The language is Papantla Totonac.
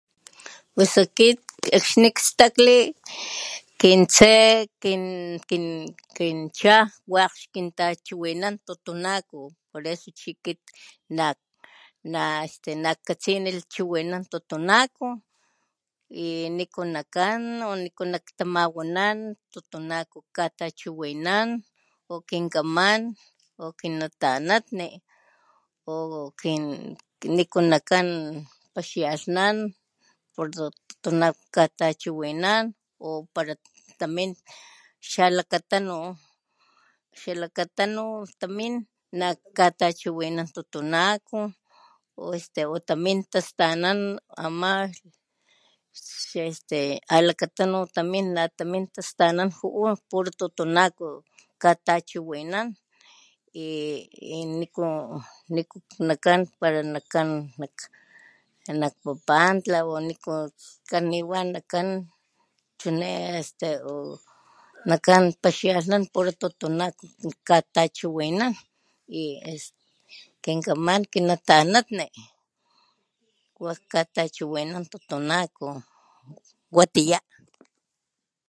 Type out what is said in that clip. Pus akit akxni stakli kin tse kin kin kin tlat waj xkintachiwinan totonaco por eso chi kit na tlan naj katsinilh chiwinanan totonaco y niku nak'an o niku naktamawanan totonaco jkatachiwinan o kin kaman o kin natanatni o kin niku nak'an paxialhnan puru totonaco jkatachiwinan o para tamin xa' alakatanu, xa lakatanu tamin najkatachiwinan totonaco o este o tamin tastanan ama xa este alakatanu tamin natamin tastanan ju'u puru totonaco jkatachiwinan y y niku nak'an pala nak'an nak Papantla o niku, kaniwa nak'an chune este o nak'an paxialhnan puru totonaco jkatachiwinan y este kin kaman kinatanatni waj jkatachiwinan totonaco. Watiyá.